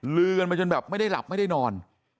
ลือกันมาจนแบบไม่ได้หลับไม่ได้นอน